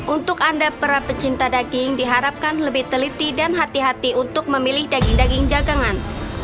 untuk anda para pecinta daging diharapkan lebih teliti dan hati hati untuk memilih daging daging dagangan